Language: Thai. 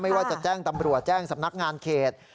ไม่ว่าจะแจ้งตำรวจแจ้งสำนักงานเขต